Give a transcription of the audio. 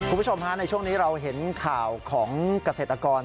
คุณผู้ชมฮะในช่วงนี้เราเห็นข่าวของเกษตรกร